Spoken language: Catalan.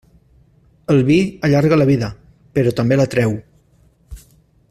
El vi allarga la vida, però també la treu.